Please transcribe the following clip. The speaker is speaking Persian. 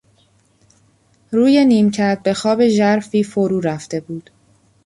روی نیمکت به خواب ژرفی فرو رفته بود.